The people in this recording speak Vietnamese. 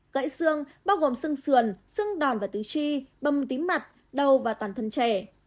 gãy sương bao gồm sương sườn sương đòn và tứ chi bâm tím mặt đầu và toàn thân trẻ